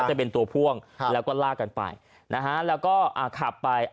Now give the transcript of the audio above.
จะเป็นตัวพ่วงแล้วก็ลากกันไปนะฮะแล้วก็ขับไป